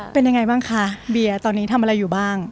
เป็นยังไงบ้างคะเบียร์ตอนนี้ทำอะไรอยู่บ้าง